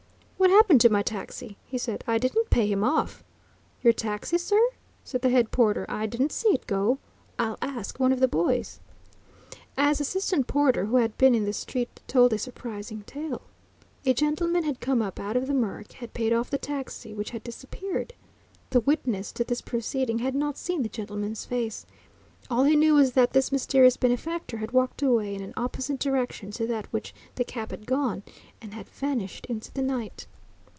"What happened to my taxi?" he said. "I didn't pay him off." "Your taxi, sir?" said the head porter. "I didn't see it go. I'll ask one of the boys." As assistant porter who had been in the street told a surprising tale. A gentleman had come up out of the murk, had paid off the taxi, which had disappeared. The witness to this proceeding had not seen the gentleman's face. All he knew was that this mysterious benefactor had walked away in an opposite direction to that in which the cab had gone, and had vanished into the night.